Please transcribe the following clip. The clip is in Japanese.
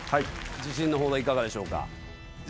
自信のほどいかがでしょうか？